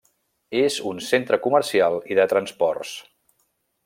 És un centre comercial i de transports.